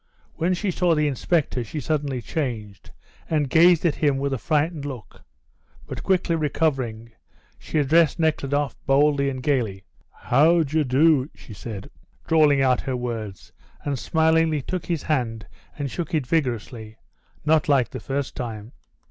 When she saw the inspector she suddenly changed, and gazed at him with a frightened look; but, quickly recovering, she addressed Nekhludoff boldly and gaily. "How d'you do?" she said, drawling out her words, and smilingly took his hand and shook it vigorously, not like the first time.